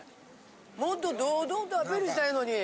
もっと堂々とアピールしたらええのに！